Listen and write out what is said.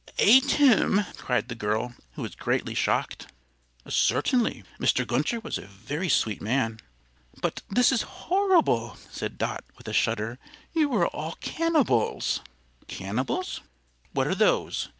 "Ate him!" cried the girl, who was greatly shocked. "Certainly; Mr. Gunther was a very sweet man." "But this is horrible," said Dot, with a shudder. "You are all cannibals!" "Cannibals! What are those?"